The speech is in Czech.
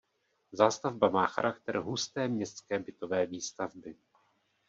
Zástavba má charakter husté městské bytové výstavby.